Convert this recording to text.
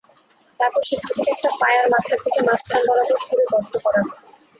তারপর সেখান থেকে একটা পায়ার মাথার দিকে মাঝখান বরাবর খুঁড়ে গর্ত করা হয়।